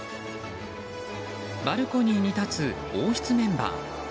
バルコニーに立つ王室メンバー。